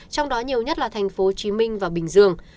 trong đó nhiều nhất là tp hcm và bình dương